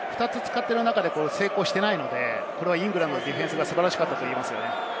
でも成功していないのでイングランドのディフェンスが素晴らしかったと思いますね。